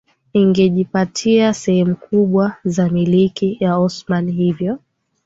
ingejipatia sehemu kubwa za Milki ya Osmani hivyo